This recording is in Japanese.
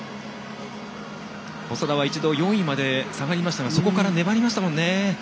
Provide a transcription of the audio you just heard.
細田は一度４位まで下がりましたがそこから粘りましたよね。